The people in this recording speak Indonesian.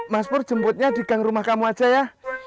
mas pur jemputnya di gang rumah kamu aja ya